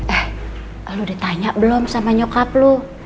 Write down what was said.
eh lu udah tanya belum sama nyokap lu